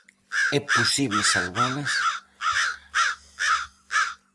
É posible salvalas?